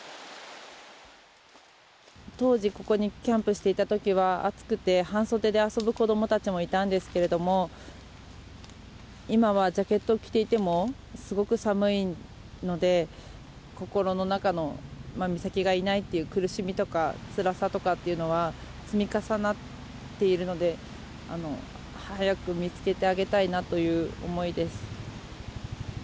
当時ここにキャンプしていたときは、暑くて、半袖で遊ぶ子どもたちもいたんですけれども、今はジャケットを着ていてもすごく寒いので、心の中の美咲がいないっていう苦しみとかつらさとかっていうのは、積み重なっているので、早く見つけてあげたいなという思いです。